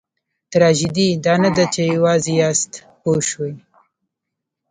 تراژیدي دا نه ده چې یوازې یاست پوه شوې!.